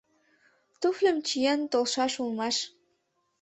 Туфльым чиен толшаш улмаш.